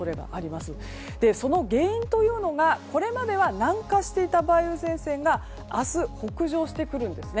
その原因というのがこれまでは南下していた梅雨前線が明日、北上してくるんですね。